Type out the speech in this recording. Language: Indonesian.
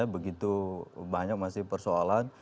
begitu banyak masih persoalan